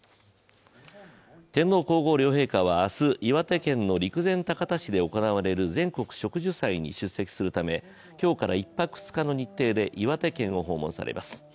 天皇皇后両陛下は明日、岩手県の陸前高田市で行われる全国植樹祭に出席するため今日から１泊２日の日程で岩手県を訪問されます。